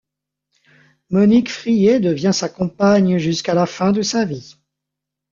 Monique Friesz devient sa compagne jusqu'à la fin de sa vie.